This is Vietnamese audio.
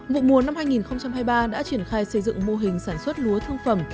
vụ mùa năm hai nghìn hai mươi ba đã triển khai xây dựng mô hình sản xuất lúa thương phẩm